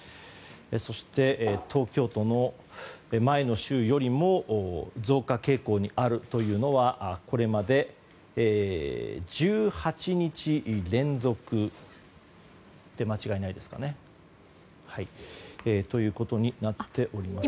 そして、東京都の前の週よりも増加傾向にあるというのはこれまで１８日連続ということになっております。